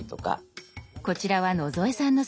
こちらは野添さんのスマホ。